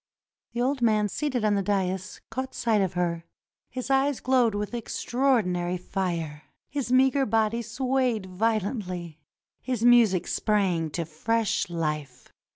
The old man seated on the dais caught sight of her. His eyes glowed with extraordinary fire ; his meager body swayed violently; his music sprang to fresh life.